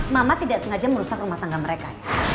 mama tidak sengaja merusak rumah tangga mereka